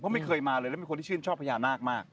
ไม่เคยมาเลยแล้วมีคนที่ชื่นชอบพญานาคมาก